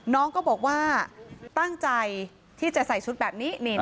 น้องก็บอกว่าตั้งใจที่จะใส่ชุดแบบนี้